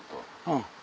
うん。